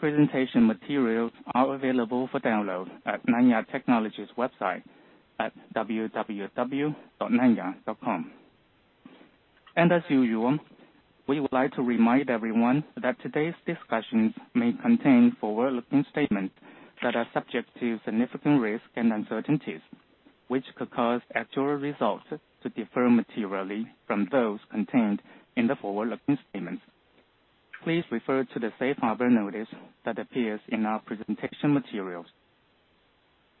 Presentation materials are available for download at Nanya Technology's website at www.nanya.com. As usual, we would like to remind everyone that today's discussions may contain forward-looking statements that are subject to significant risks and uncertainties, which could cause actual results to differ materially from those contained in the forward-looking statements. Please refer to the Safe Harbor notice that appears in our presentation materials.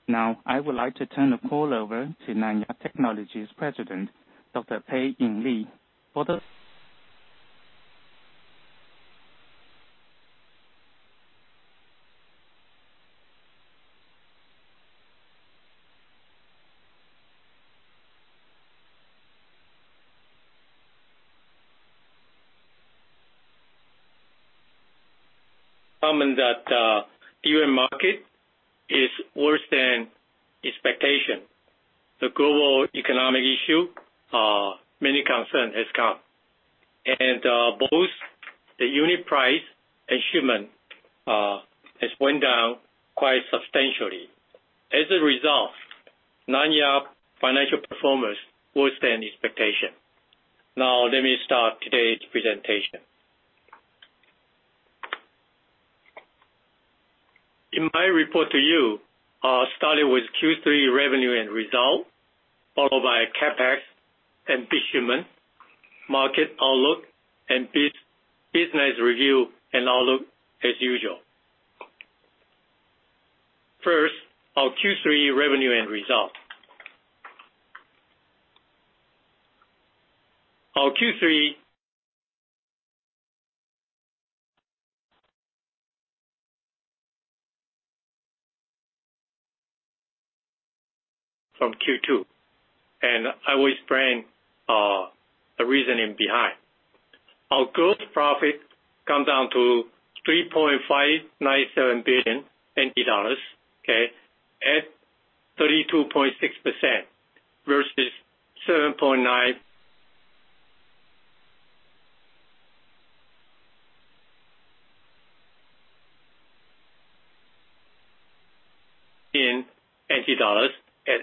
Now, I would like to turn the call over to Nanya Technology's president, Dr. Pei-Ing Lee, for the. common that even the market is worse than expectation. The global economic issues, many concerns have come. Both the unit price and shipment has went down quite substantially. As a result, Nanya's financial performance worse than expectation. Now let me start today's presentation. In my report to you, I'll start with Q3 revenue and result, followed by CapEx and shipment, market outlook, and business review and outlook as usual. First, our Q3 revenue and result. Our Q3 from Q2, and I will explain the reasoning behind. Our gross profit come down to 3.597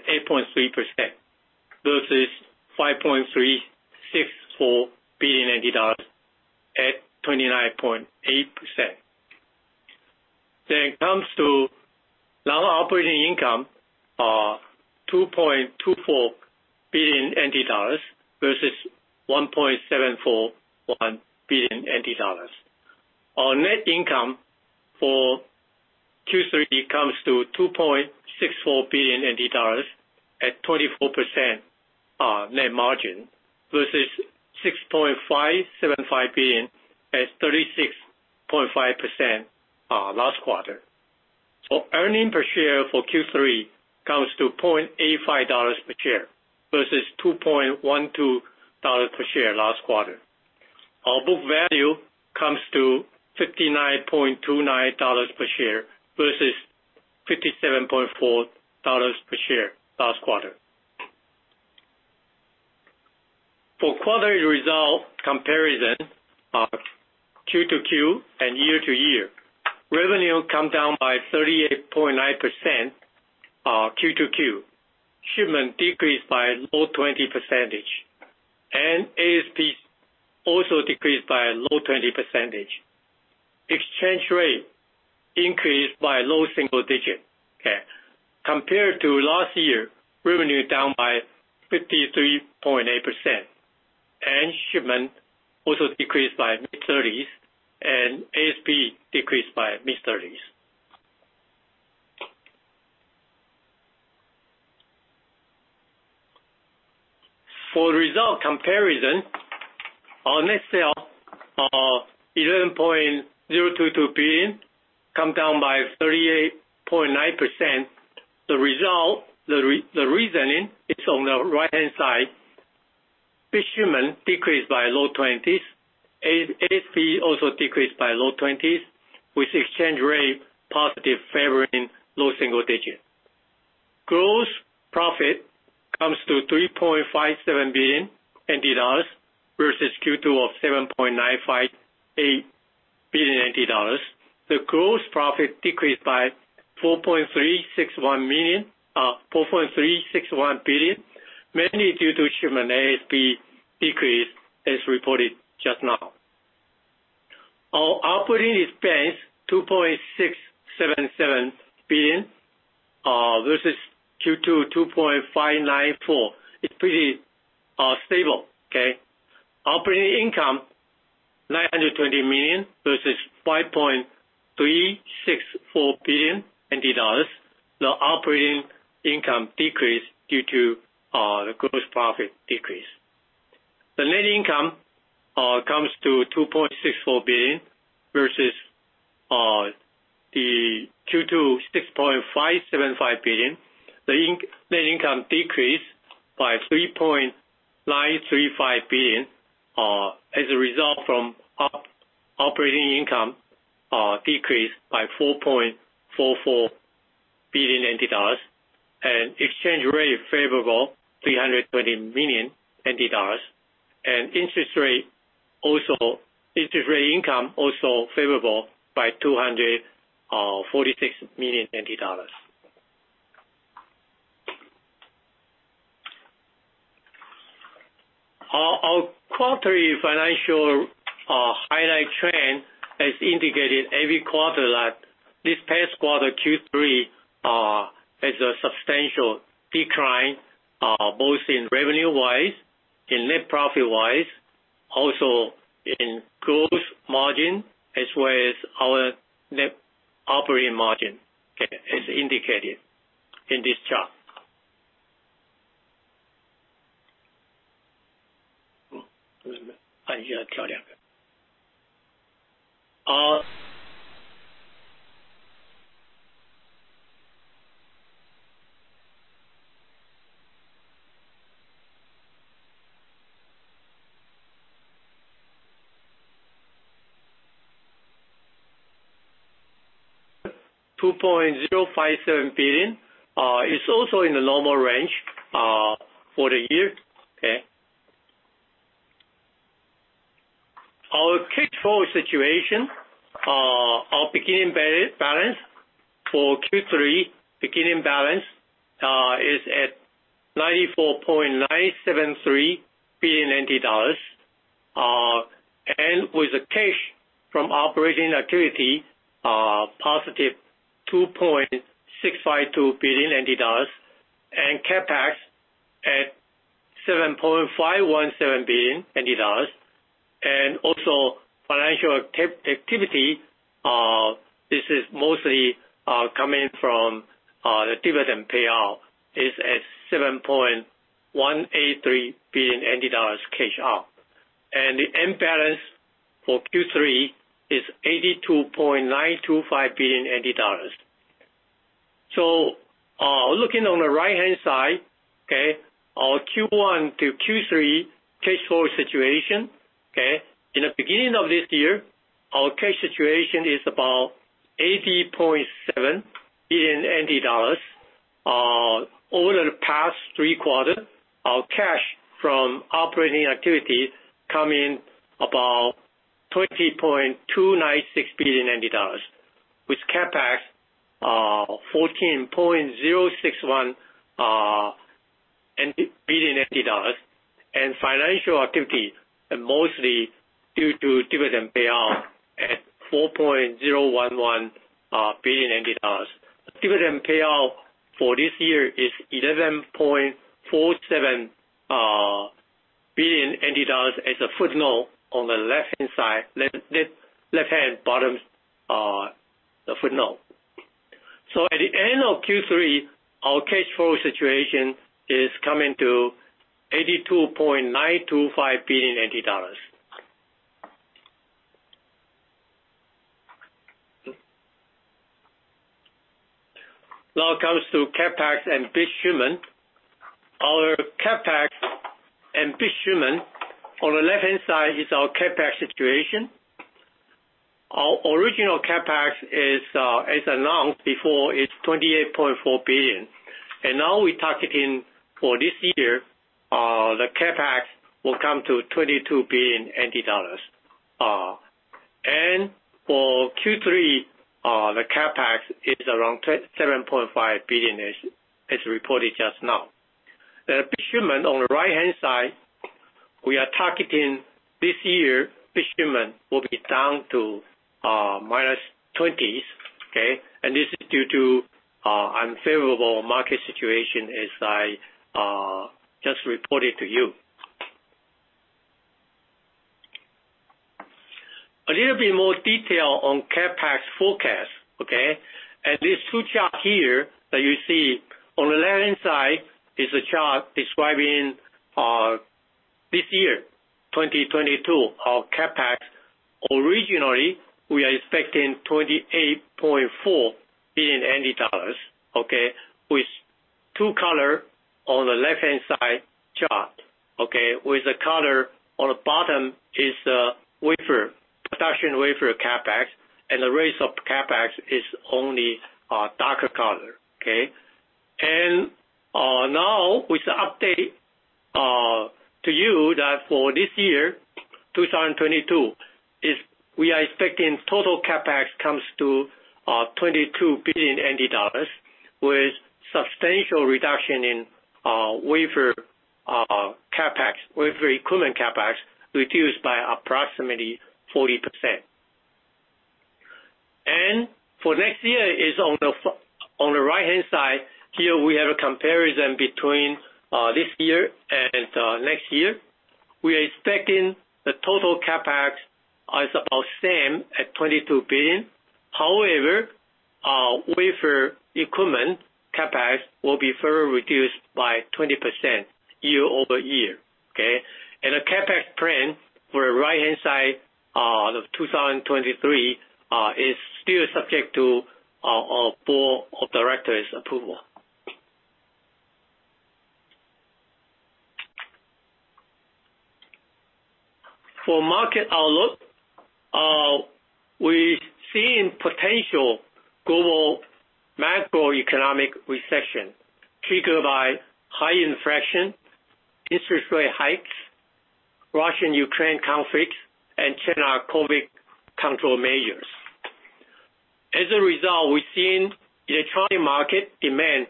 billion, at 32.6% versus TWD 7.9 billion at 8.3% versus 5.364 billion at 29.8%. It comes to our operating income, 2.24 billion NT dollars versus 1.741 billion NT dollars. Our net income for Q3 comes to 2.64 billion TWD at 24% net margin, versus 6.575 billion TWD at 36.5% last quarter. Earnings per share for Q3 comes to 0.85 per share versus 2.12 dollars per share last quarter. Our book value comes to 59.29 dollars per share versus 57.4 dollars per share last quarter. For quarterly result comparison of Q-to-Q and year-to-year, revenue come down by 38.9% Q-to-Q. Shipment decreased by low 20%, and ASPs also decreased by low 20%. Exchange rate increased by low single digit%. Okay. Compared to last year, revenue down by 53.8%, and shipment also decreased by mid-30s%, and ASP decreased by mid-30s%. For result comparison, our net sale, 11.022 billion came down by 38.9%. The reasoning is on the right-hand side. Shipment decreased by low-20s%. ASP also decreased by low-20s%, with exchange rate positive favoring low single-digit %. Gross profit comes to 3.57 billion NT dollars versus Q2 of 7.958 billion NT dollars. The gross profit decreased by 4.361 million, 4.361 billion, mainly due to shipment ASP decrease as reported just now. Our operating expense, TWD 2.677 billion, versus Q2, TWD 2.594 billion. It's pretty stable, okay? Operating income, TWD 920 million versus TWD 5.364 billion. The operating income decreased due to the gross profit decrease. The net income comes to 2.64 billion versus the Q2, 6.575 billion. The net income decreased by 3.935 billion as a result from operating income decreased by 4.44 billion NT dollars. Exchange rate favorable 320 million NT dollars and interest rate income also favorable by 246 million NT dollars. Our quarterly financial highlight trend has indicated every quarter that this past quarter, Q3, has a substantial decline both in revenue wise, in net profit wise, also in gross margin, as well as our net operating margin. Okay? As indicated in this chart. 2.057 billion. It's also in the normal range for the year. Our Q4 situation. Our beginning balance for Q3 is 94.973 billion NT dollars. With the cash from operating activity, positive 2.652 billion NT dollars and CapEx at 7.517 billion NT dollars. Also financial activity, this is mostly coming from the dividend payout at 7.183 billion NT dollars cash out. The end balance for Q3 is 82.925 billion NT dollars. Looking on the right-hand side, our Q1 to Q3 cash flow situation. In the beginning of this year, our cash situation is about 80.7 billion NT dollars. Over the past three quarters, our cash from operating activity come in about 20.296 billion NT dollars, with CapEx 14.061 billion NT dollars. Financial activity are mostly due to dividend payout at 4.011 billion dollars. Dividend payout for this year is 11.47 billion dollars as a footnote on the left-hand side, left-hand bottom, the footnote. At the end of Q3, our cash flow situation is coming to TWD 82.925 billion. Now it comes to CapEx and bit shipment. Our CapEx and bit shipment on the left-hand side is our CapEx situation. Our original CapEx is, as announced before, it's 28.4 billion. Now we targeting for this year, the CapEx will come to 22 billion NT dollars. For Q3, the CapEx is around 27.5 billion as reported just now. The bit shipment on the right-hand side, we are targeting this year, bit shipment will be down to -20%. This is due to unfavorable market situation as I just reported to you. A little bit more detail on CapEx forecast. These two charts here that you see on the left-hand side is a chart describing this year, 2022, our CapEx. Originally, we are expecting 28.4 billion dollars, with two colors on the left-hand side chart. With the color on the bottom is wafer production, wafer CapEx, and the rest of CapEx is only darker color. Now with the update to you that for this year, 2022, is we are expecting total CapEx comes to TWD 22 billion with substantial reduction in wafer CapEx, wafer equipment CapEx, reduced by approximately 40%. For next year is on the right-hand side. Here we have a comparison between this year and next year. We are expecting the total CapEx is about same at 22 billion. However, wafer equipment CapEx will be further reduced by 20% year-over-year. Okay. The CapEx plan for the right-hand side of 2023 is still subject to full directors approval. For market outlook, we're seeing potential global macroeconomic recession triggered by high inflation, interest rate hikes, Russia-Ukraine conflict, and China COVID control measures. As a result, we're seeing electronic market demand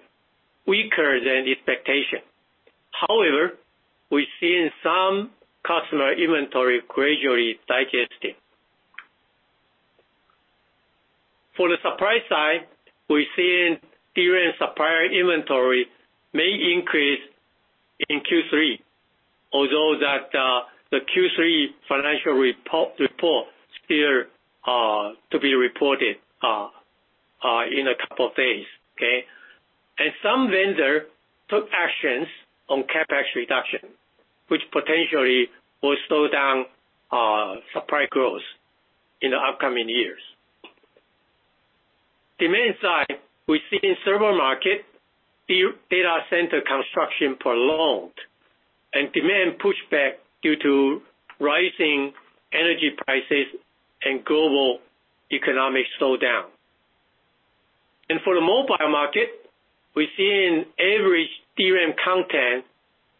weaker than expectation. However, we're seeing some customer inventory gradually digesting. For the supply side, we're seeing DRAM supplier inventory may increase in Q3, although that, the Q3 financial report still, to be reported, in a couple of days. Some vendor took actions on CapEx reduction, which potentially will slow down, supply growth in the upcoming years. Demand side, we're seeing server market data center construction prolonged and demand pushed back due to rising energy prices and global economic slowdown. For the mobile market, we're seeing average DRAM content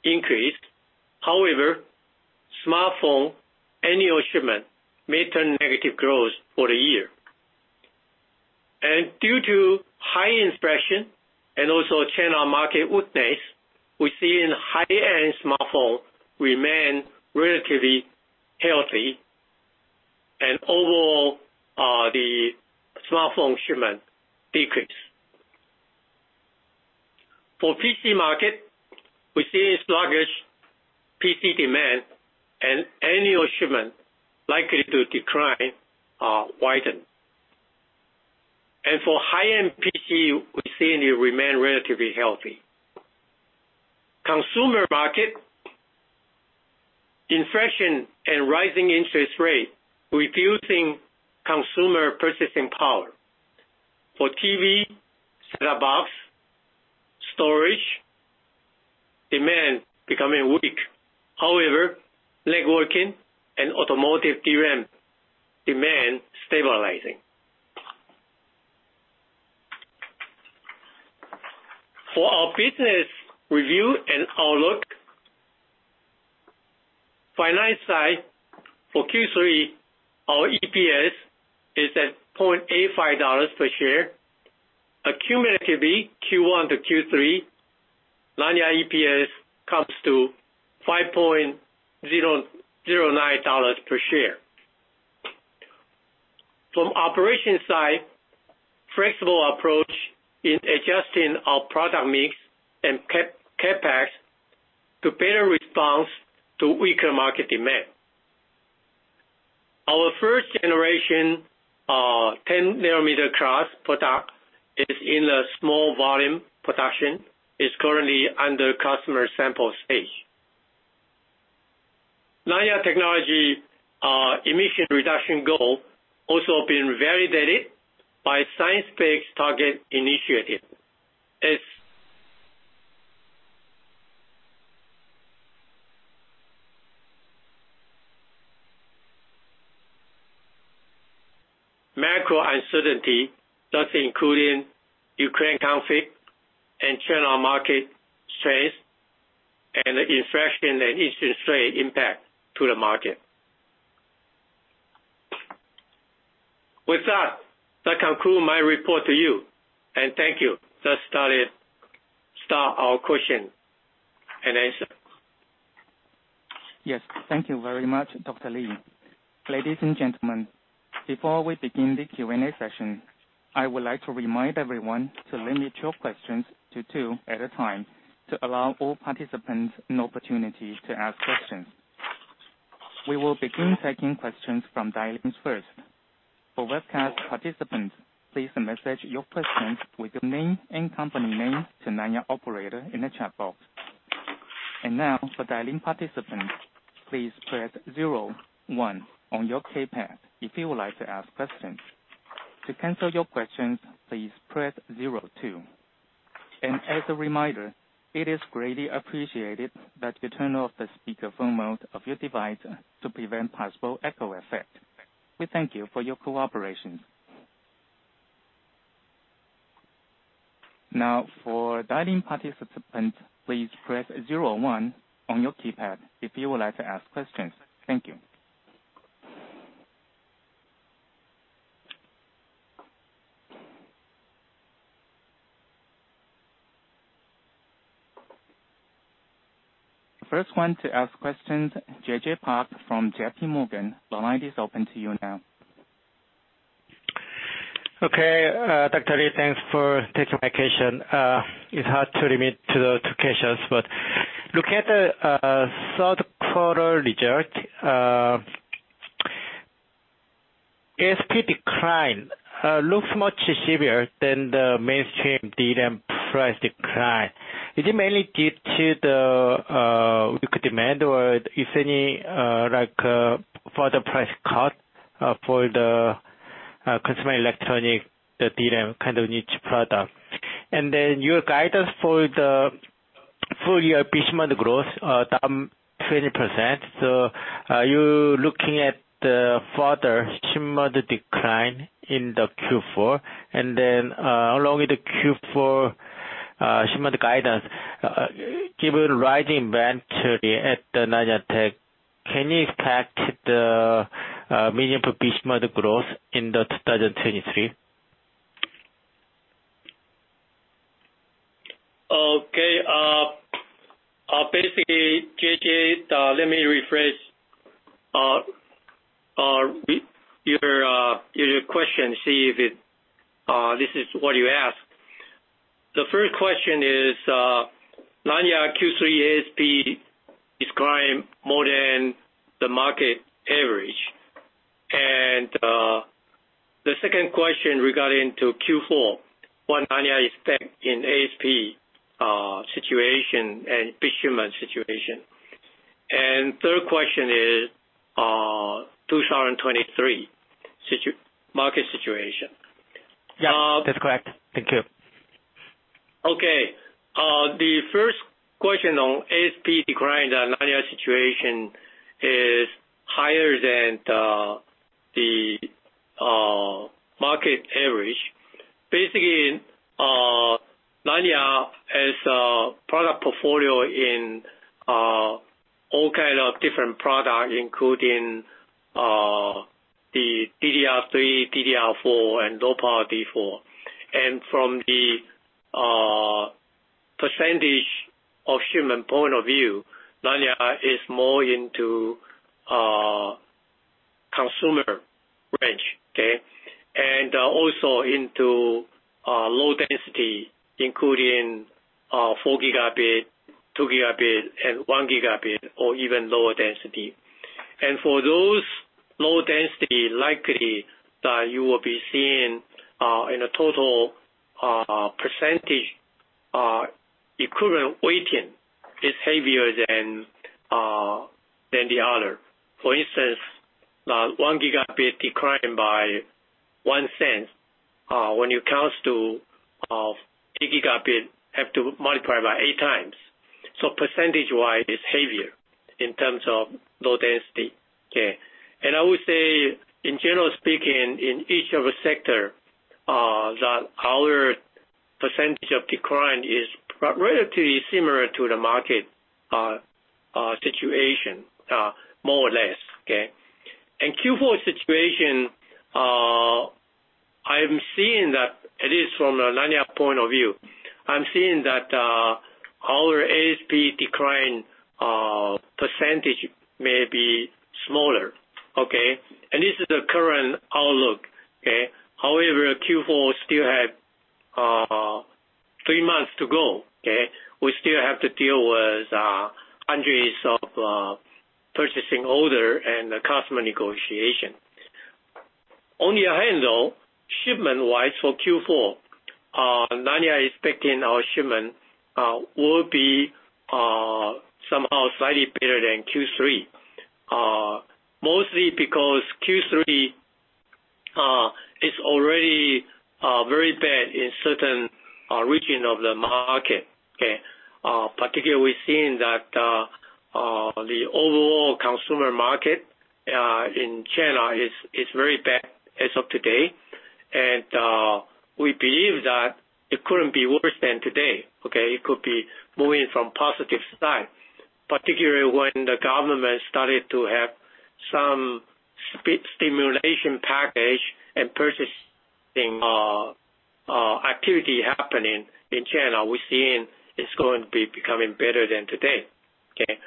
increase. However, smartphone annual shipment may turn negative growth for the year. Due to high inflation and also China market weakness, we're seeing high-end smartphone remain relatively healthy. Overall, the smartphone shipment decrease. For PC market, we're seeing sluggish PC demand and annual shipment likely to decline, widen. For high-end PC, we're seeing it remain relatively healthy. Consumer market, inflation and rising interest rate reducing consumer purchasing power. For TV, set-top box, storage, demand becoming weak. However, networking and automotive DRAM demand stabilizing. For our business review and outlook, finance side for Q3, our EPS is at $0.85 per share. Accumulatively, Q1 to Q3, Nanya EPS comes to $5.009 per share. From operation side, flexible approach in adjusting our product mix and CapEx to better respond to weaker market demand. Our first generation, 10nm-class product is in a small volume production, is currently under customer sample stage. Nanya Technology emission reduction goal also been validated by Science Based Targets initiative. Macro uncertainty, that's including Ukraine conflict and China market stress and the inflation and interest rate impact to the market. With that, conclude my report to you. Thank you. Let's start our question and answer. Yes. Thank you very much, Dr. Lee. Ladies and gentlemen, before we begin the Q&A session, I would like to remind everyone to limit your questions to two at a time to allow all participants an opportunity to ask questions. We will begin taking questions from dial-ins first. For webcast participants, please message your questions with your name and company name to Nanya operator in the chat box. Now, for dial-in participants, please press zero one on your keypad if you would like to ask questions. To cancel your questions, please press zero two. As a reminder, it is greatly appreciated that you turn off the speakerphone mode of your device to prevent possible echo effect. We thank you for your cooperation. Now, for dial-in participants, please press zero one on your keypad if you would like to ask questions. Thank you. First one to ask questions, JJ Park from JP Morgan. The line is open to you now. Okay. Dr. Lee, thanks for taking my question. It's hard to limit to the two questions. Looking at the Q3 results, ASP decline looks much severer than the mainstream DRAM price decline. Is it mainly due to the weaker demand or if any, like, further price cut for the consumer electronics, the DRAM kind of niche product? And then your guidance for the- Full-year bit shipment growth down 20%. Are you looking at the further shipment decline in the Q4? Along with the Q4 shipment guidance, given rising inventory at Nanya Technology, can you expect the momentum for bit shipment growth in 2023? Okay. Basically, JJ, let me rephrase your question to see if this is what you ask. The first question is, Nanya Q3 ASP decline more than the market average. The second question regarding to Q4, what Nanya expect in ASP situation and shipment situation. Third question is, 2023 market situation. Yeah, that's correct. Thank you. Okay. The first question on ASP decline that Nanya situation is higher than the market average. Basically, Nanya has a product portfolio in all kind of different products, including the DDR3, DDR4 and low power D4. From the percentage of shipment point of view, Nanya is more into consumer range. Okay? Also into low density, including 4 gigabit, 2 gigabit, and 1 gigabit or even lower density. For those low density, likely that you will be seeing in a total percentage equivalent weighting is heavier than the other. For instance, the 1 gigabit declining by $0.01, when it comes to 8 gigabit, have to multiply by 8 times. Percentage-wise it's heavier in terms of low density. Okay? I would say, in general speaking, in each of the sector, that our percentage of decline is relatively similar to the market situation, more or less. Okay? Q4 situation, I'm seeing that at least from a Nanya point of view, I'm seeing that, our ASP decline percentage may be smaller. Okay? This is the current outlook. Okay? However, Q4 still have three months to go. Okay? We still have to deal with hundreds of purchasing order and customer negotiation. On the other hand, though, shipment-wise for Q4, Nanya is expecting our shipment will be somehow slightly better than Q3. Mostly because Q3 is already very bad in certain region of the market. Okay? Particularly we're seeing that the overall consumer market in China is very bad as of today. We believe that it couldn't be worse than today. Okay? It could be moving from positive side, particularly when the government started to have some stimulation package and purchasing activity happening in China. We're seeing it's going to be becoming better than today. Okay?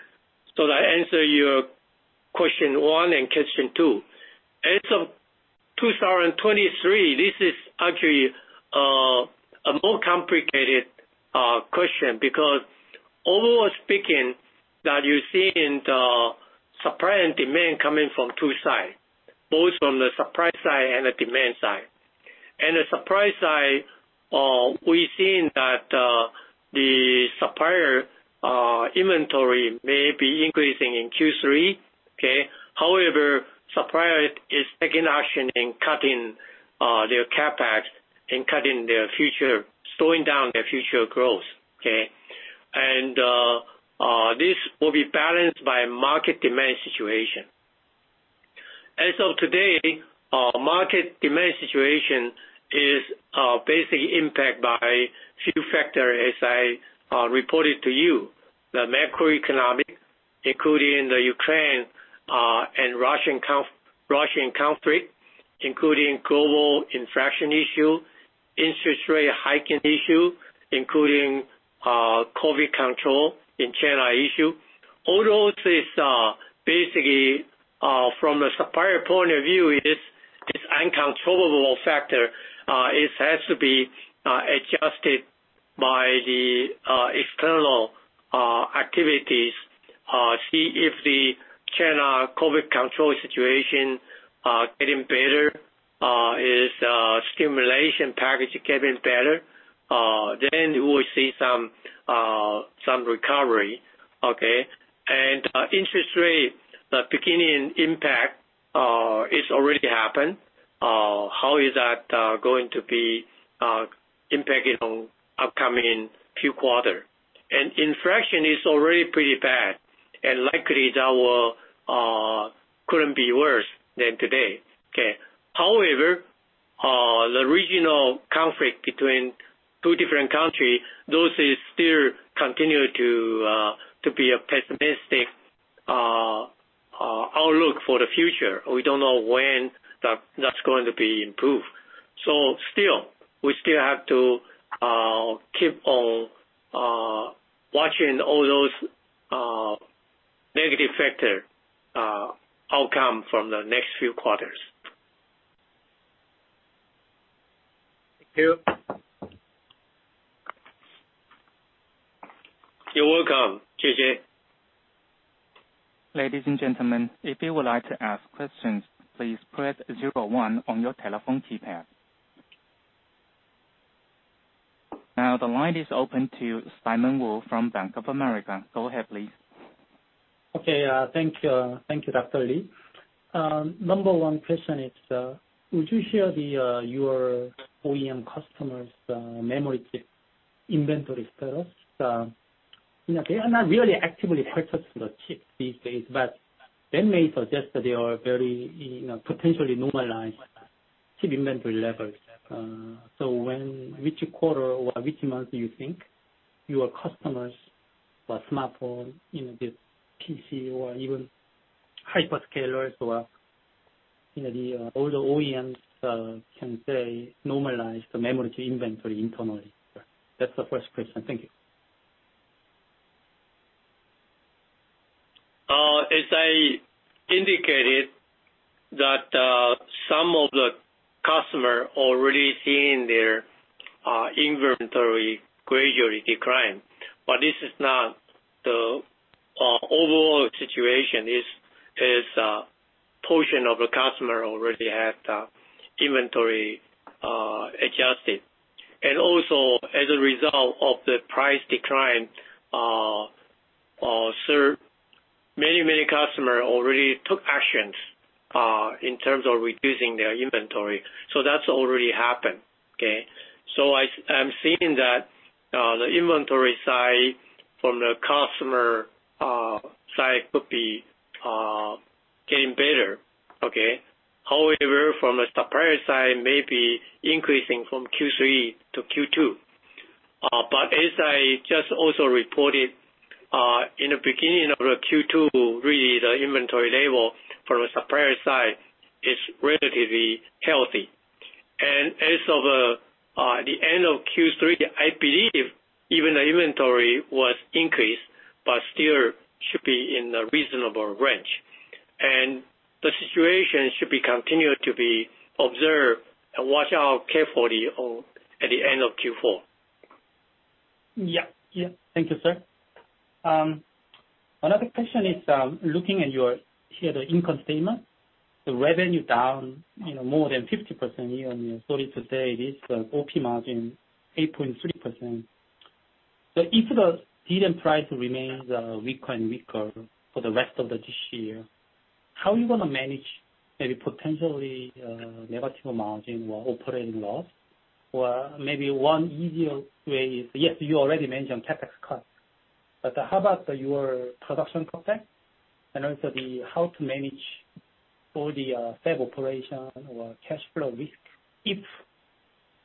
That answer your question one and question two. As of 2023, this is actually a more complicated question because overall speaking, that you're seeing the supply and demand coming from two sides, both from the supply side and the demand side. In the supply side, we're seeing that the supplier inventory may be increasing in Q3. Okay? However, supplier is taking action in cutting their CapEx and cutting their future, slowing down their future growth. Okay? This will be balanced by market demand situation. As of today, market demand situation is basically impacted by few factors as I reported to you. The macroeconomic, including the Ukraine and Russian conflict, including global inflation issue, interest rate hiking issue, including COVID control in China issue. Although this basically from a supplier point of view, it is this uncontrollable factor, it has to be adjusted by the external activities. See if the China COVID control situation getting better, is stimulus package getting better, then we will see some recovery. Okay? Interest rates really happen, how is that going to be impacted on upcoming few quarter? Inflation is already pretty bad, and likely that will couldn't be worse than today. Okay. However, the regional conflict between two different country, those is still continue to be a pessimistic outlook for the future. We don't know when that that's going to be improved. Still, we still have to keep on watching all those negative factor outcome from the next few quarters. Thank you. You're welcome. JJ. Ladies and gentlemen, if you would like to ask questions, please press zero one on your telephone keypad. Now, the line is open to Simon Woo from Bank of America. Go ahead, please. Thank you, Dr. Lee. Number one question is, would you share your OEM customers' memory chip inventory status? You know, they are not really actively purchasing the chips these days, but they may suggest that they are very potentially normalized chip inventory levels. So when which quarter or which month do you think your customers for smartphone the PC or even hyperscalers or all the OEMs can say normalize the memory to inventory internally? That's the first question. Thank you. As I indicated that, some of the customer already seeing their inventory gradually decline, but this is not the overall situation. It is a portion of the customer already had inventory adjusted. Also, as a result of the price decline, so many customer already took actions in terms of reducing their inventory. That's already happened. Okay? I'm seeing that the inventory side from the customer side could be getting better. Okay? However, from a supplier side, may be increasing from Q2 to Q3. But as I just also reported, in the beginning of the Q2, really the inventory level from a supplier side is relatively healthy. As of the end of Q3, I believe even the inventory was increased but still should be in a reasonable range. The situation should continue to be observed and watched out for carefully at the end of Q4. Yeah. Yeah. Thank you, sir. Another question is, looking at your, here the income statement, the revenue down more than 50% year-on-year. Sorry to say this, the OP margin 8.3%. If the DRAM price remains weaker and weaker for the rest of this year, how are you gonna manage maybe potentially negative margin or operating loss? Maybe one easier way is, yes, you already mentioned CapEx cuts, but how about your production process? How to manage all the fab operation or cash flow risk if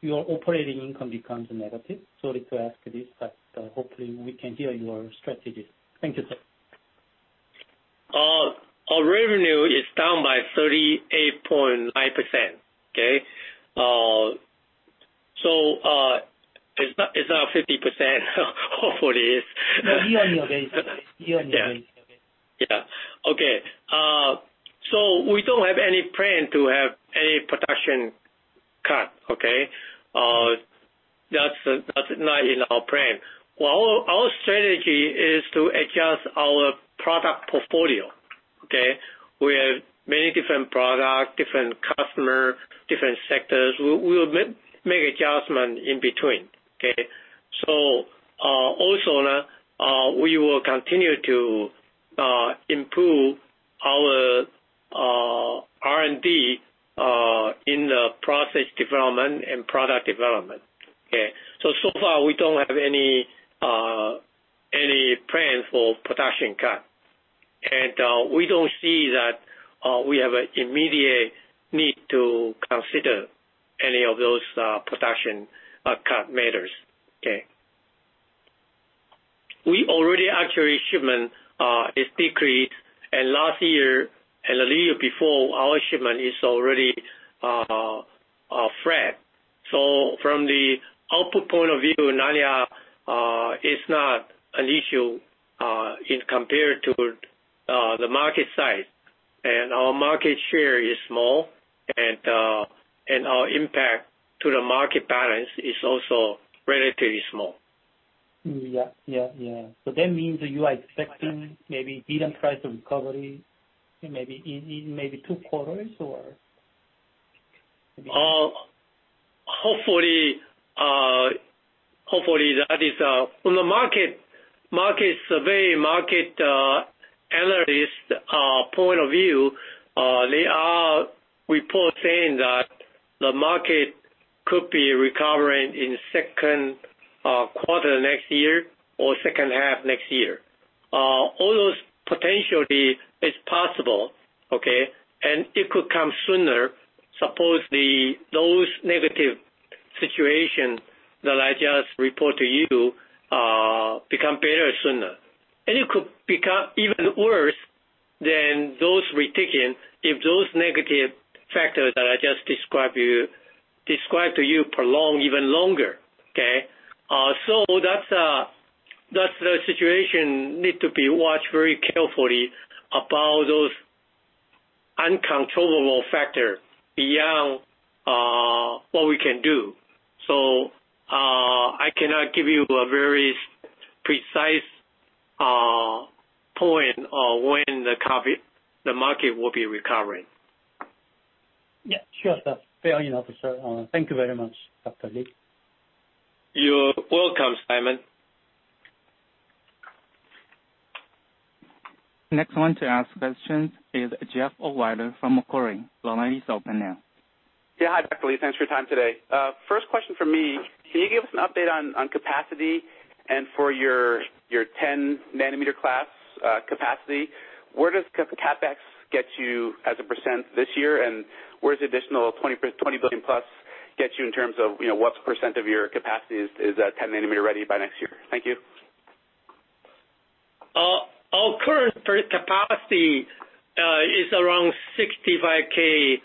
your operating income becomes negative? Sorry to ask this, but hopefully we can hear your strategy. Thank you, sir. Our revenue is down by 38.9%. Okay? It's not 50% hopefully. Year-over-year basis. Yeah. Yeah. Okay. So we don't have any plan to have any production cut. Okay? That's not in our plan. Well, our strategy is to adjust our product portfolio. Okay? We have many different product, different customer, different sectors. We'll make adjustment in between. Okay? Also now, we will continue to improve our R&D in the process development and product development. Okay? So far we don't have any plans for production cut. We don't see that we have an immediate need to consider any of those production cut matters. Okay? We already actually shipment is decreased and last year and the year before our shipment is already flat. From the output point of view, Nanya is not an issue in comparison to the market size. Our market share is small and our impact to the market balance is also relatively small. Yeah. That means that you are expecting maybe DRAM price recovery, maybe in maybe two quarters or maybe. Market survey, analyst point of view, their reports saying that the market could be recovering in Q2 next year or second half next year. All those potentially are possible, okay? It could come sooner, suppose those negative situation that I just report to you become better sooner. It could become even worse than those ratings if those negative factors that I just described to you prolong even longer. Okay? That's the situation needs to be watched very carefully about those uncontrollable factors beyond what we can do. I cannot give you a very precise point on when the market will be recovering. Yeah. Sure. That's fair enough, sir. Thank you very much, Dr. Lee. You're welcome, Simon. Next one to ask questions is Jeff O'Wyler from Macquarie. The line is open now. Yeah. Hi, Dr. Lee. Thanks for your time today. First question from me, can you give us an update on capacity and for your 10nm-class capacity? Where does CapEx get you as a % this year and where's the additional 20-20 billion plus get you in terms of what % of your capacity is 10nm-class ready by next year? Thank you. Our current capacity is around 65K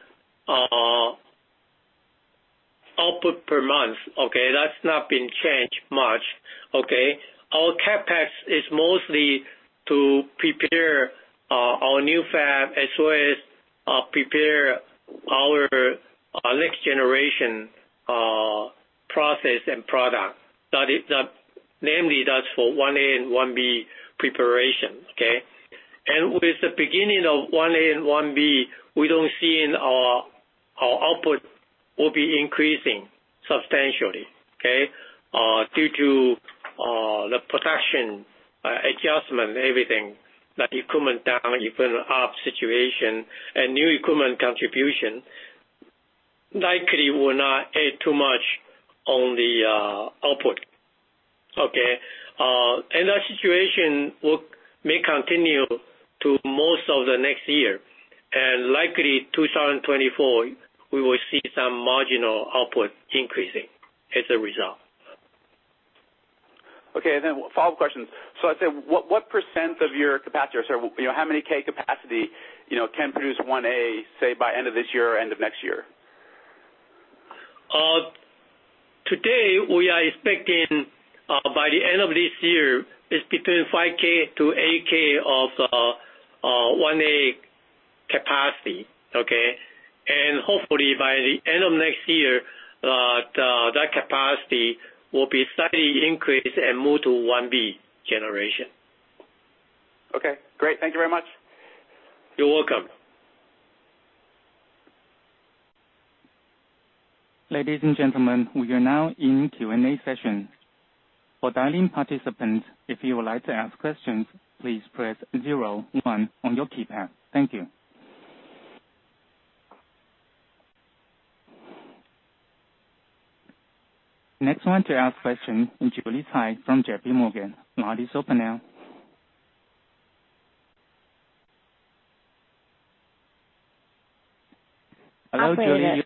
output per month. That's not been changed much. Our CapEx is mostly to prepare our new fab as well as prepare our next generation process and product. That is, namely that's for 1A and 1B preparation. With the beginning of 1A and 1B, we don't see our output will be increasing substantially. Due to the production adjustment, everything that equipment down, equipment up situation and new equipment contribution likely will not add too much on the output. That situation may continue to most of the next year. Likely 2024, we will see some marginal output increasing as a result. Okay. Follow-up questions. I'd say, what % of your capacity, sir how many K capacity can produce one A, say by end of this year or end of next year? Today we are expecting, by the end of this year, between 5K-8K of 1A capacity. Hopefully by the end of next year, that capacity will be slightly increased and move to 1B generation. Okay, great. Thank you very much. You're welcome. Ladies and gentlemen, we are now in Q&A session. For dialing participants, if you would like to ask questions, please press zero one on your keypad. Thank you. Next one to ask question, c. Line is open now. Hello, Julie, you-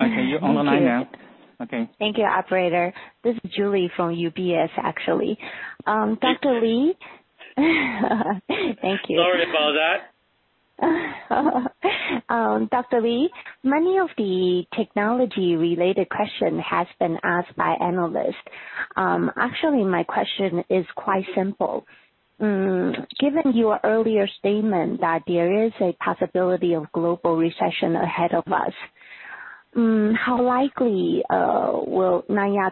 Operator. Okay, you're on the line now. Thank you. Okay. Thank you, operator. This is Julie from UBS, actually. Dr. Lee, thank you. Sorry about that. Dr. Lee, many of the technology related question has been asked by analysts. Actually, my question is quite simple. Given your earlier statement that there is a possibility of global recession ahead of us, how likely will Nanya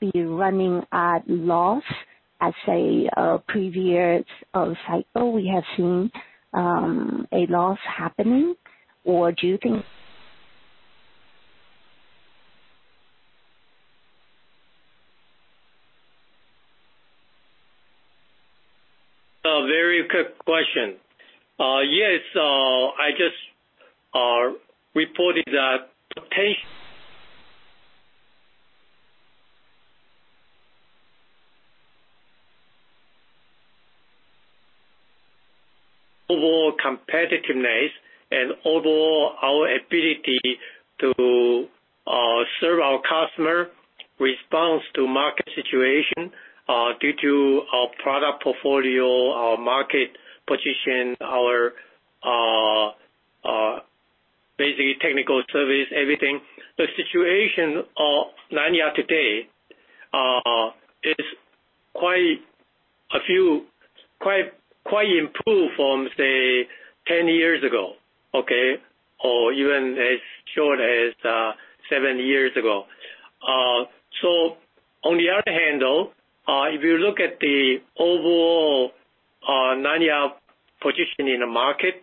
be running at loss as, say, previous cycle we have seen, a loss happening? Or do you think A very good question. Yes, I just reported that overall competitiveness and overall our ability to serve our customer response to market situation, due to our product portfolio, our market position, our basically technical service, everything. The situation of Nanya today is quite improved from, say, 10 years ago. Okay? Or even as short as 7 years ago. On the other hand, though, if you look at the overall Nanya position in the market.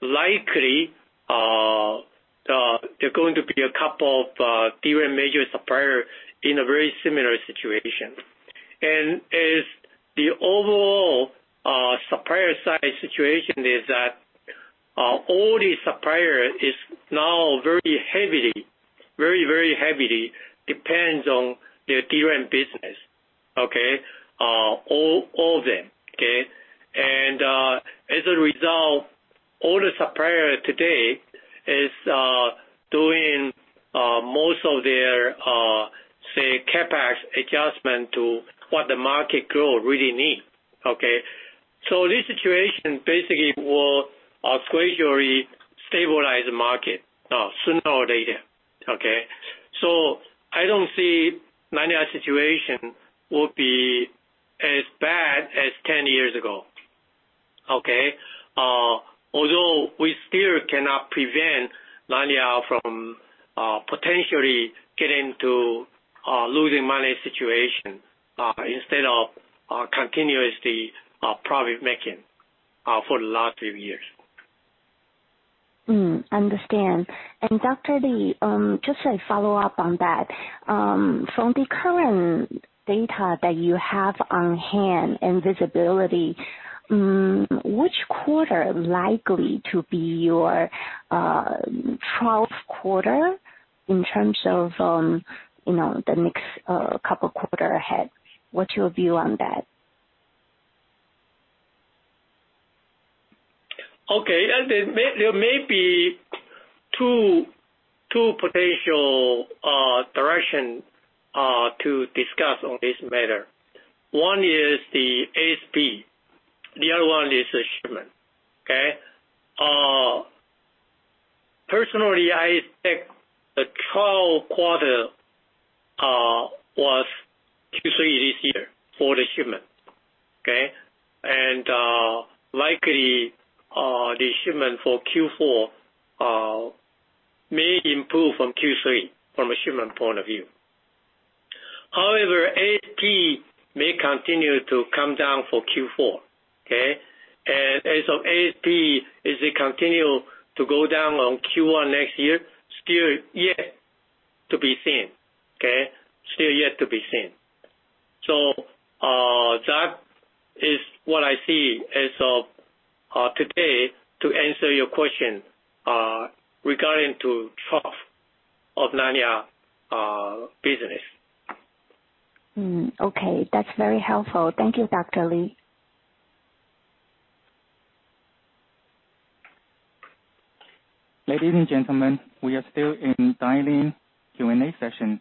Likely there are going to be a couple of DRAM major supplier in a very similar situation. As the overall supplier side situation is that all the supplier is now very heavily depends on their DRAM business, okay? All of them, okay? As a result, all the supplier today is doing most of their say CapEx adjustment to what the market growth really need, okay. This situation basically will gradually stabilize the market sooner or later, okay. I don't see Nanya situation will be as bad as 10 years ago, okay. Although we still cannot prevent Nanya from potentially getting into losing money situation instead of continuously profit-making for the last 3 years. Understand. Dr. Lee, just a follow-up on that. From the current data that you have on hand and visibility, which quarter likely to be your trough quarter in terms of the next couple quarter ahead? What's your view on that? Okay. There may be two potential direction to discuss on this matter. One is the ASP, the other one is the shipment, okay? Personally, I think the trough quarter was Q3 this year for the shipment, okay? Likely, the shipment for Q4 may improve from Q3 from a shipment point of view. However, ASP may continue to come down for Q4, okay? As of ASP, as it continue to go down on Q1 next year, still yet to be seen, okay? Still yet to be seen. That is what I see as of today to answer your question regarding the trough of Nanya business. Okay. That's very helpful. Thank you, Dr. Lee. Ladies and gentlemen, we are still in dial-in Q&A session.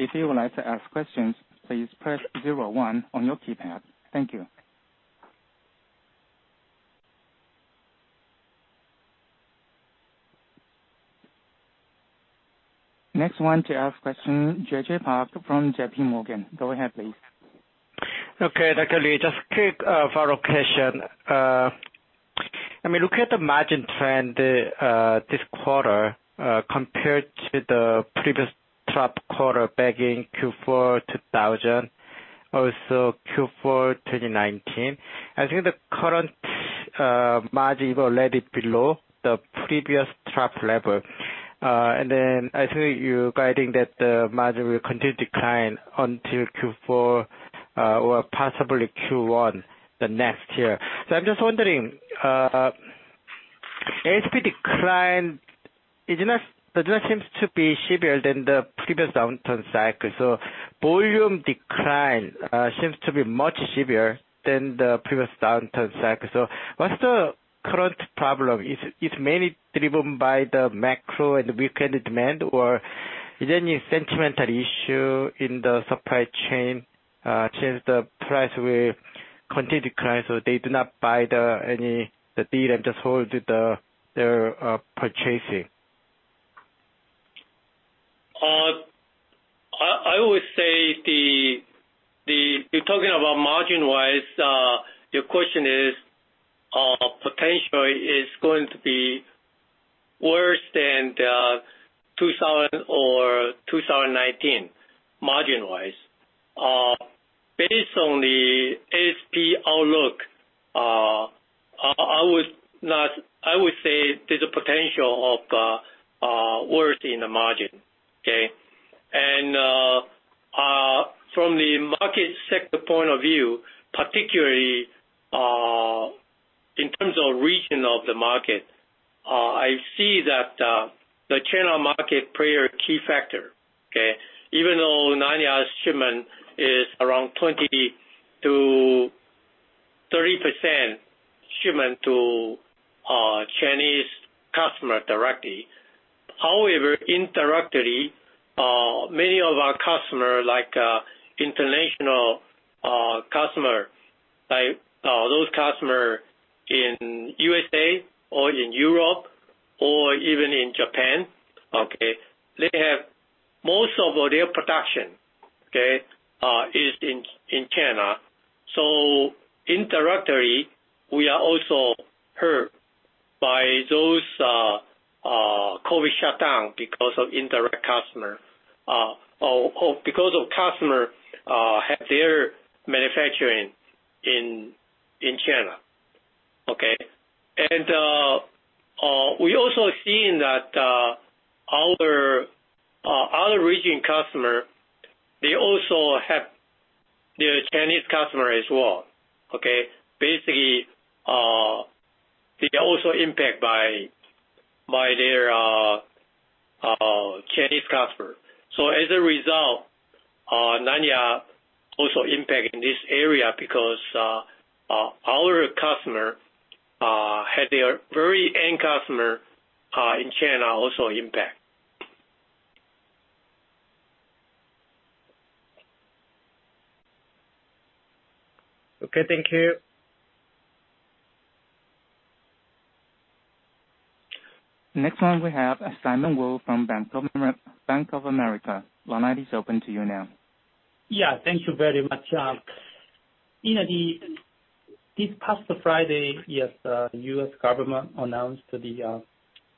If you would like to ask questions, please press zero one on your keypad. Thank you. Next one to ask question, JJ Park from JP Morgan. Go ahead please. Okay, Dr. Lee. Just quick follow-up question. I mean, look at the margin trend this quarter compared to the previous trough quarter back in Q4 2000, also Q4 2019. I think the current margin already below the previous trough level. I think you're guiding that the margin will continue decline until Q4 or possibly Q1 the next year. I'm just wondering, ASP decline is not. It not seems to be severe than the previous downturn cycle, so volume decline seems to be much severe than the previous downturn cycle. What's the current problem? Is mainly driven by the macro and weakened demand, or is there any sentiment issue in the supply chain, since the price will continue to decline, so they do not buy any DRAM, just hold their purchasing? I would say... You're talking about margin-wise, your question is potentially going to be worse than the 2000 or 2019 margin-wise. Based on the ASP outlook, I would say there's a potential of worse in the margin, okay? From the market sector point of view, particularly, in terms of region of the market, I see that the China market plays a key factor, okay? Even though Nanya's shipment is around 20-30% shipment to Chinese customer directly. However, indirectly, many of our customer, like, international customer, like, those customer in U.S.A. or in Europe or even in Japan, okay? They have most of their production, okay, is in China. Indirectly, we are also hurt by those also indirect customer. Or because of customer have their manufacturing in China. Okay? We also seen that other region customer, they also have their Chinese customer as well. Okay? Basically, they also impact by their Chinese customer. As a result, Nanya also impact in this area because our customer had their very end customer in China also impact. Okay, thank you. Next one we have is Simon Woo from Bank of America. Line is open to you now. Yeah. Thank you very much. This past Friday, yes, the U.S. government announced the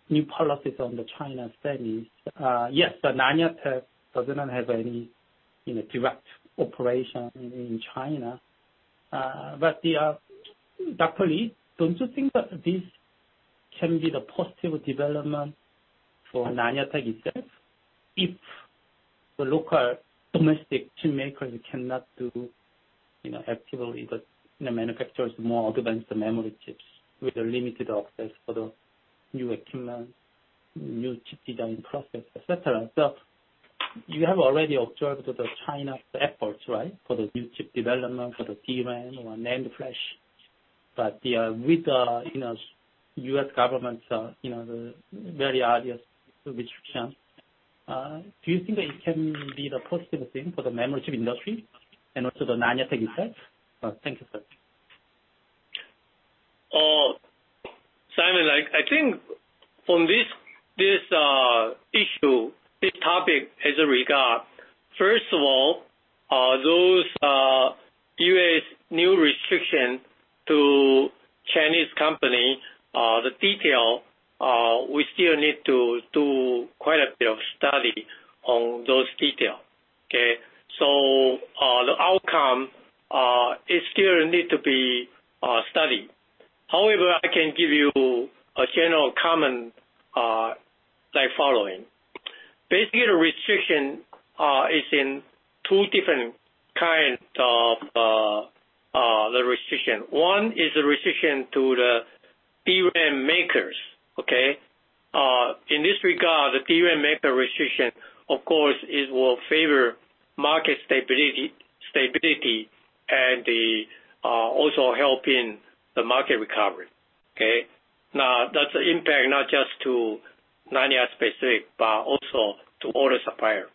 new policies on the China subsidies. Yes, Nanya Tech does not have any direct operation in China. But Dr. Lee, don't you think that this can be the positive development for Nanya Tech itself if the local domestic chipmakers cannot actively manufacture more advanced memory chips with limited access to the new equipment, new chip design process, et cetera. You have already observed China's efforts, right? For the new chip development, for the DRAM or NAND flash. With the U.S. government's very obvious restriction, do you think that it can be the positive thing for the memory chip industry and also the Nanya Tech itself? Thank you, sir. Simon Woo, I think from this issue, this topic as regards, first of all, those U.S. new restrictions to Chinese companies, the details, we still need to do quite a bit of study on those details. Okay? The outcome still needs to be studied. However, I can give you a general comment, like following. Basically, the restrictions are in two different kinds. One is a restriction to the DRAM makers, okay? In this regard, the DRAM maker restriction, of course it will favor market stability and also helping the market recovery. Okay? Now, that's an impact not just specific to Nanya, but also to all the suppliers.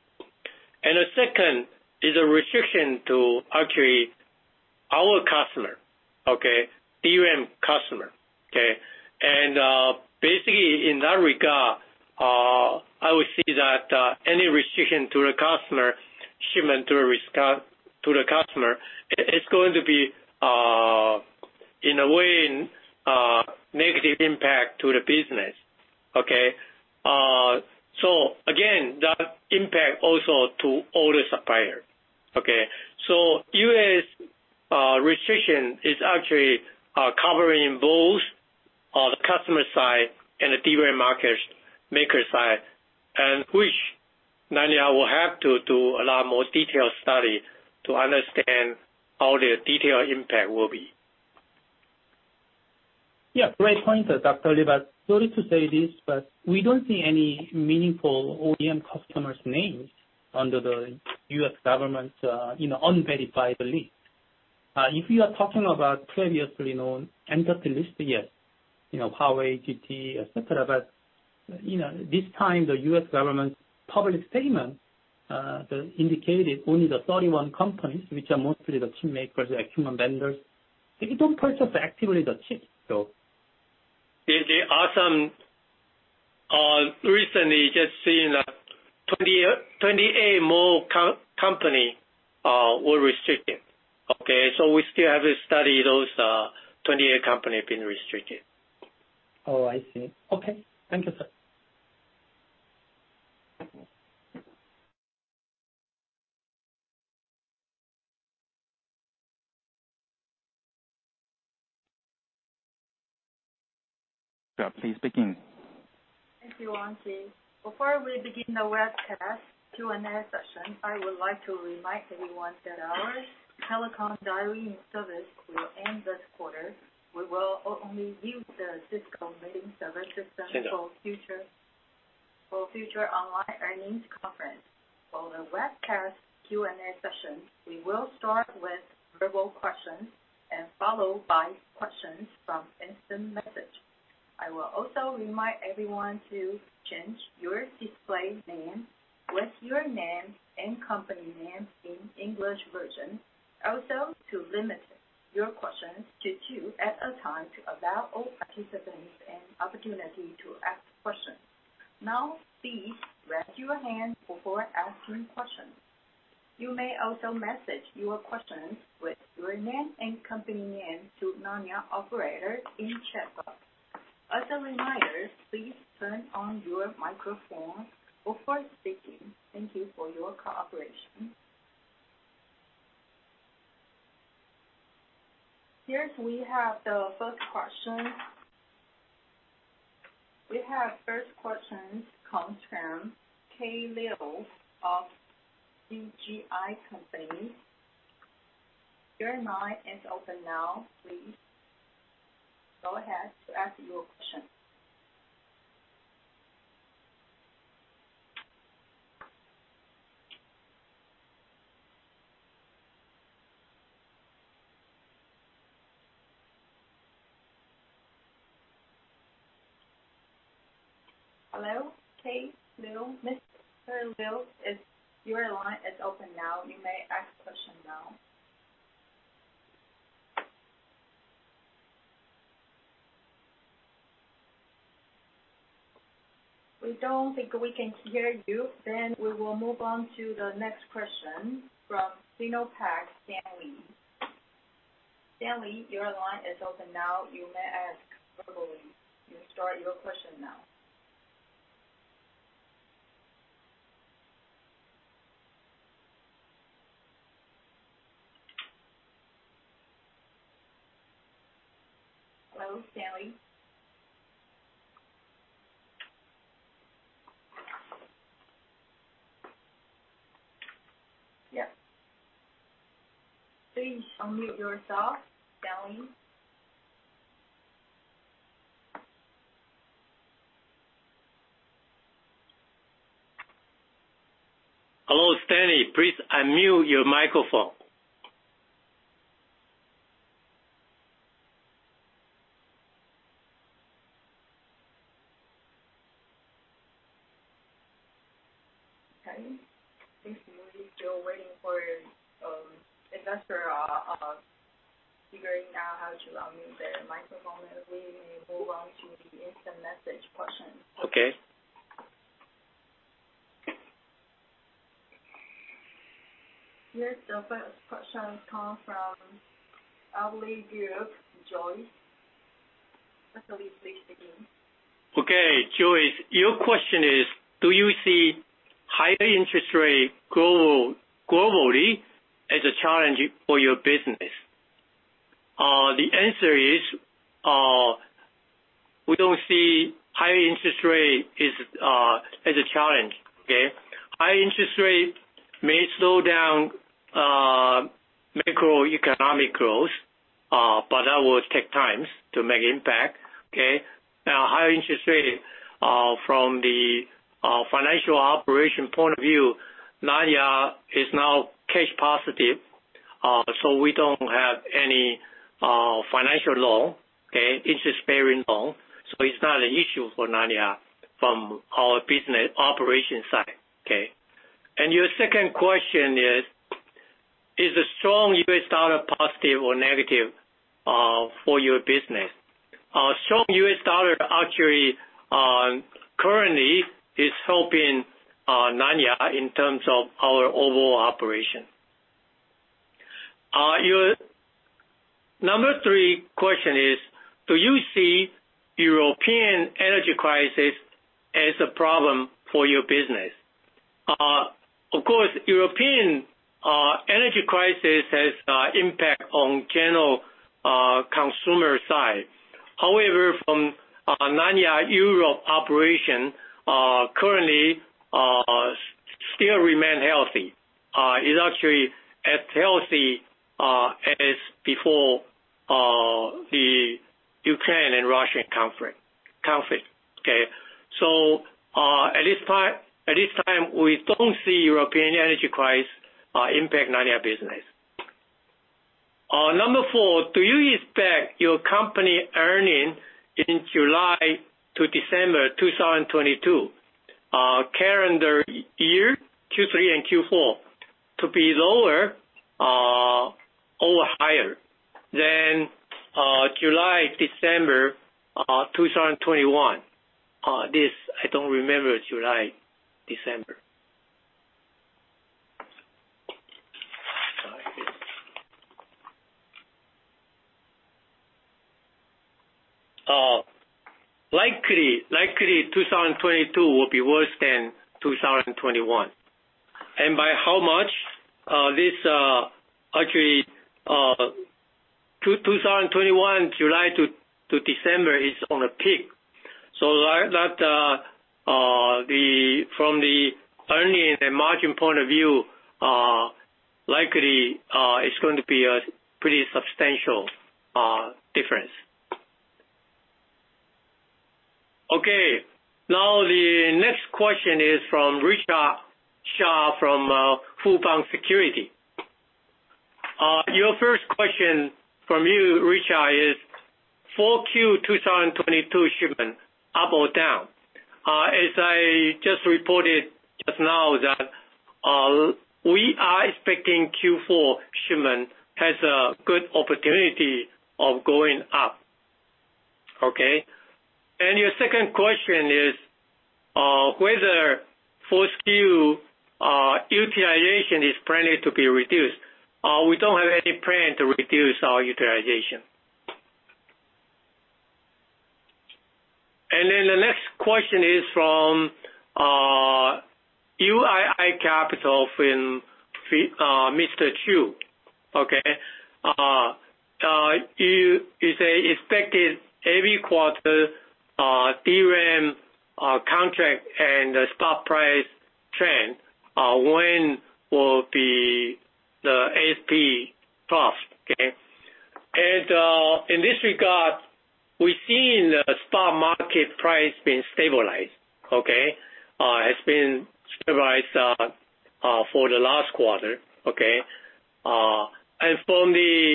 The second is a restriction to actually our customers. Okay? DRAM customers. Okay? Basically in that regard, I would say that any restriction to the customer, shipment to the customer, it's going to be in a way negative impact to the business. Okay? Again, that impact also to all the suppliers. Okay? U.S. restriction is actually covering both the customer side and the DRAM market maker side, and which Nanya will have to do a lot more detailed study to understand how the detailed impact will be. Yeah, great points there, Dr. Lee. Sorry to say this, but we don't see any meaningful OEM customers names under the U.S. government unverified release. If you are talking about previously known Entity List, yes. You know, Huawei, ZTE, et cetera. You know, this time, the U.S. government public statement indicated only the 31 companies, which are mostly the chipmakers, the equipment vendors. They don't purchase actively the chips. There are some recently just seeing that 28 more companies were restricted. Okay? We still have to study those 28 companies been restricted. Oh, I see. Okay. Thank you, sir. Yeah, please begin. Thank you, Anji. Before we begin the webcast Q&A session, I would like to remind everyone that our telecom dialing service will end this quarter. We will only use the Cisco Meeting Server system. Sure. For future online earnings conference. For the webcast Q&A session, we will start with verbal questions and followed by questions from instant message. I will also remind everyone to change your display name with your name and company name in English version. Also to limit your questions to two at a time to allow all participants an opportunity to ask questions. Now please raise your hand before asking questions. You may also message your questions with your name and company name to Nanya operator in chat box. As a reminder, please turn on your microphone before speaking. Thank you for your cooperation. Here we have the first question. We have first question comes from Kaylene Liew of CGI. Your line is open now, please go ahead to ask your question. Hello, Kay Lil. Mr. Lil. Your line is open now. You may ask question now. We don't think we can hear you. We will move on to the next question from SinoPac, Stanley. Stanley, your line is open now. You may ask verbally. You start your question now. Hello, Stanley. Yeah. Please unmute yourself, Stanley. Hello, Stanley. Please unmute your microphone. Okay. Thanks. We still waiting for investor figuring out how to unmute their microphone. We may move on to the instant message question. Okay. The first question comes from Aviva Investors, Joyce. Please state again. Okay. Joyce, your question is, do you see higher interest rate globally as a challenge for your business? The answer is, we don't see high interest rate as a challenge. Okay? High interest rate may slow down macroeconomic growth, but that will take time to make impact. Okay? Now, high interest rate, from the financial operation point of view, Nanya is now cash positive. So we don't have any financial loan, okay, interest bearing loan, so it's not an issue for Nanya from our business operation side. Okay? Your second question is the strong U.S. dollar positive or negative for your business? Strong U.S. Dollar actually currently is helping Nanya in terms of our overall operation. Your number three question is, do you see European energy crisis as a problem for your business? Of course, European energy crisis has impact on general consumer side. However, from Nanya Europe operation, currently still remain healthy. It is actually as healthy as before the Ukraine and Russian conflict. Okay. At this time, we don't see European energy crisis impact Nanya business. Number four, do you expect your company earnings in July to December 2022, calendar year Q3 and Q4 to be lower or higher than July to December 2021? This I don't remember July to December. Likely 2022 will be worse than 2021. And by how much, this actually 2021 July to December is on a peak. That the From the earnings and margin point of view, likely, it's going to be a pretty substantial difference. Okay. Now the next question is from Richa Shah from Fubon Securities. Your first question from you, Richa, is Q4 2022 shipment up or down? As I just reported just now that, we are expecting Q4 shipment has a good opportunity of going up. Okay. Your second question is, whether full SKU, utilization is planning to be reduced. We don't have any plan to reduce our utilization. The next question is from YLI Capital, Mr. Chu. Okay. You say expected every quarter, DRAM, contract and the stock price trend, when will be the ASP cost, okay? In this regard, we're seeing the stock market price being stabilized, okay? It's been stabilized for the last quarter, okay? From the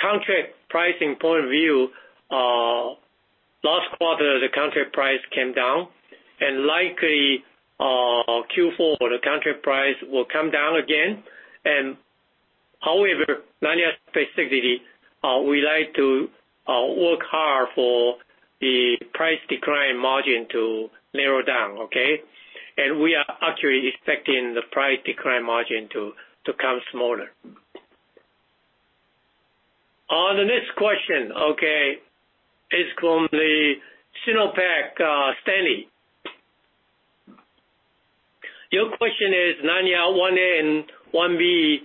contract pricing point of view, last quarter, the contract price came down, and likely Q4 for the contract price will come down again. However, Nanya specifically, we like to work hard for the price decline margin to narrow down, okay? We are actually expecting the price decline margin to come smaller. On the next question, okay, is from the SinoPac, Stanley. Your question is Nanya 1A and 1B,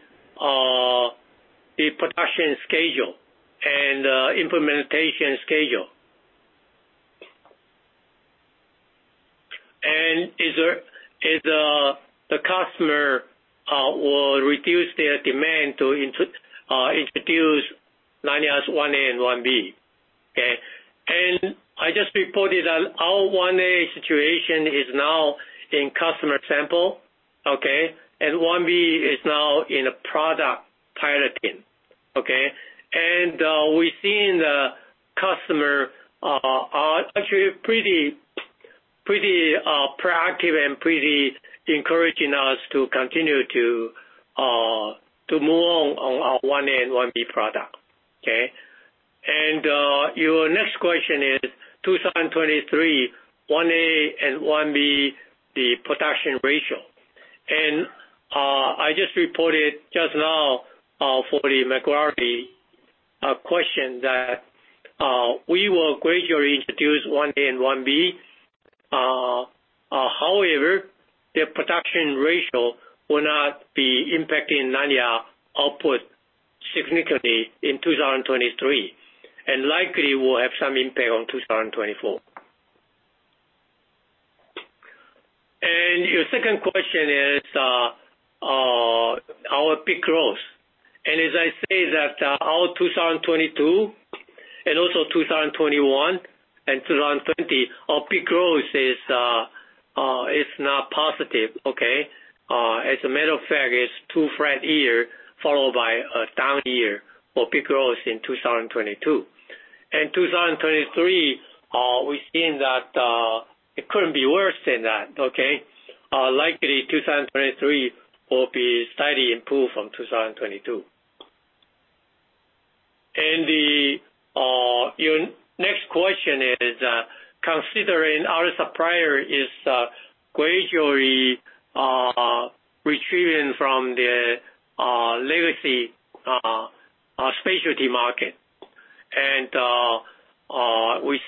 the production schedule and implementation schedule. Is the customer will reduce their demand to introduce Nanya's 1A and 1B. Okay? I just reported that our 1A situation is now in customer sample. 1B is now in product piloting. We're seeing the customer are actually pretty proactive and pretty encouraging us to continue to move on our 1A and 1B product. Your next question is 2023, 1A and 1B, the production ratio. I just reported just now for the Macquarie question that we will gradually introduce 1A 1B. However, the production ratio will not be impacting Nanya output significantly in 2023, and likely will have some impact on 2024. Your second question is our peak growth. As I say that, our 2022 and also 2021 and 2020, our peak growth is not positive, okay? As a matter of fact, it's 2 flat year followed by a down year for peak growth in 2022. In 2023, we've seen that it couldn't be worse than that, okay? Likely 2023 will be slightly improved from 2022. Your next question is considering our supplier is gradually retreating from the legacy specialty market. We're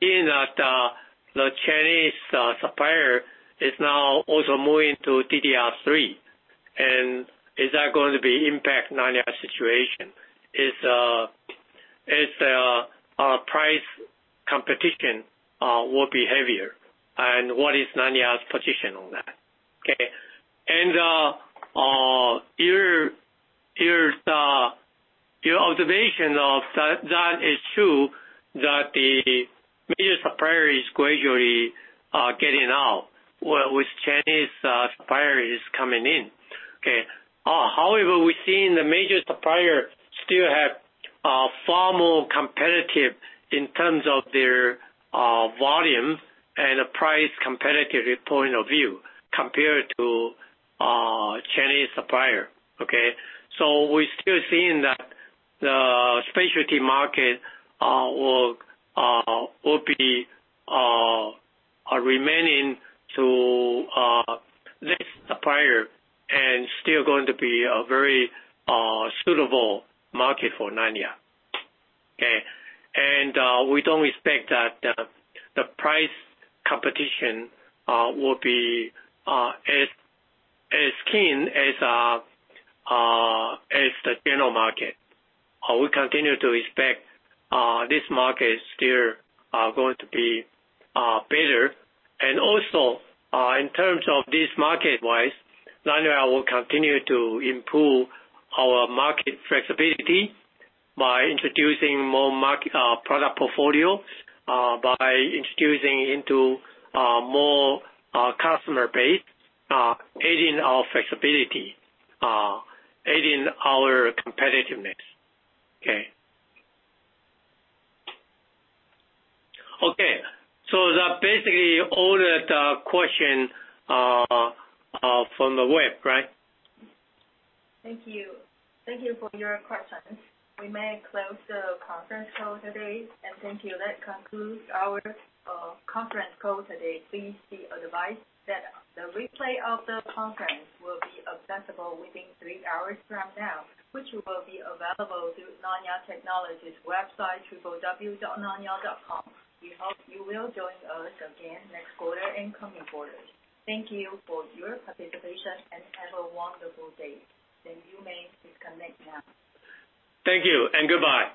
seeing that the Chinese supplier is now also moving to DDR3. Is that going to impact Nanya situation? Will price competition be heavier, and what is Nanya's position on that? Okay. Your observation of that is true that the major supplier is gradually getting out with Chinese suppliers coming in. Okay. However, we're seeing the major supplier still have far more competitive in terms of their volume and price competitive point of view compared to Chinese supplier. Okay. We're still seeing that the specialty market will be remaining to less supplier and still going to be a very suitable market for Nanya. Okay. We don't expect that the price competition will be as keen as the general market. We continue to expect this market still going to be better. In terms of this market wise, Nanya will continue to improve our market flexibility by introducing more market product portfolios by introducing into more customer base adding our flexibility adding our competitiveness. Okay. Okay, that basically all the question from the web, right? Thank you. Thank you for your questions. We may close the conference call today. Thank you. That concludes our conference call today. Please be advised that the replay of the conference will be accessible within three hours from now, which will be available through Nanya Technology's website, www.nanya.com. We hope you will join us again next quarter and coming quarters. Thank you for your participation and have a wonderful day. You may disconnect now. Thank you and goodbye.